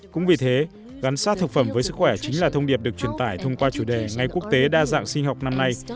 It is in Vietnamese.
cũng vì thế gắn sát thực phẩm với sức khỏe chính là thông điệp được truyền tải thông qua chủ đề ngày quốc tế đa dạng sinh học năm nay